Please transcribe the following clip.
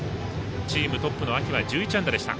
チームトップの秋は１１安打でした。